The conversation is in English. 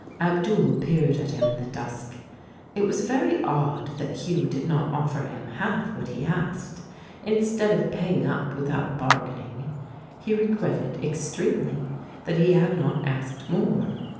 Abdul peered at him in the dusk. It was very odd that Hugh did not offer him half what he asked, instead of paying up without bargaining. He regretted extremely that he had not asked more.